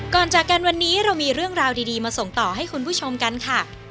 จากกันวันนี้เรามีเรื่องราวดีมาส่งต่อให้คุณผู้ชมกันค่ะ